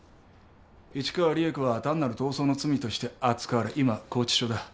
市川利枝子は単なる逃走の罪として扱われ今拘置所だ。